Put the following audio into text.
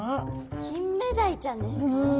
キンメダイちゃんですか？